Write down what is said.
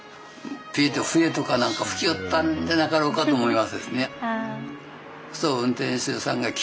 ピーッと笛とか何か吹きよったんじゃなかろうかと思いますですね。